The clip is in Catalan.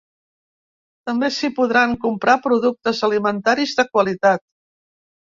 També s’hi podran comprar productes alimentaris de qualitat.